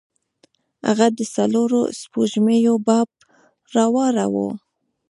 هغه د څلورو سپوږمیو باب راواړوه.